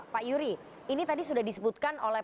pak yuri ini tadi sudah disebutkan oleh